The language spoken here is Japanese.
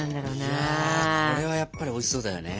いやこれはやっぱりおいしそうだよね。